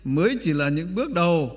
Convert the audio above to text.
mới chỉ là những bước đầu